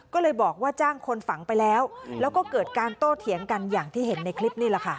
ก็เลยบอกว่าจ้างคนฝังไปแล้วแล้วก็เกิดการโต้เถียงกันอย่างที่เห็นในคลิปนี่แหละค่ะ